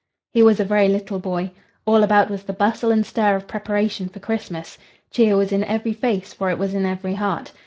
He was a very little boy. All about was the bustle and stir of preparation for Christmas. Cheer was in every face, for it was in every heart.